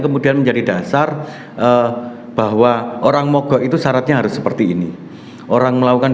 kemudian menjadi dasar bahwa orang mogok itu syaratnya harus seperti ini orang melakukan